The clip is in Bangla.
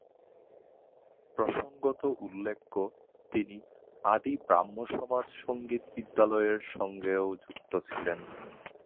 প্রসঙ্গত উল্লেখ্য, তিনি আদি ব্রাহ্মসমাজ সঙ্গীত বিদ্যালয়ের সঙ্গেও যুক্ত ছিলেন।